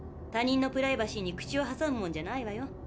他人のプライバシーに口をはさむもんじゃないわよ。